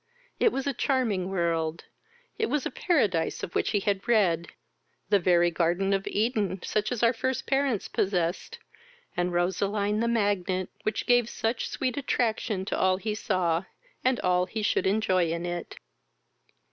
It was a charming world, it was the paradise of which he had read, the very garden of Eden, such as our first parents possessed, and Roseline the magnet which gave such sweet attraction to all he saw, and all he should enjoy in it.